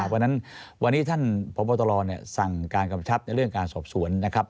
วันนั้นวันนี้ท่านพบตรสั่งการกำชับในเรื่องการสอบสวนนะครับ